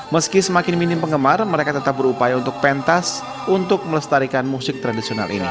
meski semakin minim penggemar mereka tetap berupaya untuk pentas untuk melestarikan musik tradisional ini